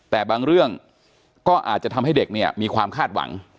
แต่บางเรื่องก็อาจจะทำให้เด็กเนี่ยมีความคาดหวัง